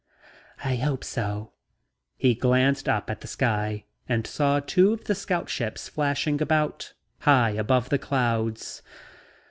"I hope so." He glanced up at the sky and saw two of the scout ships flashing about, high above the clouds.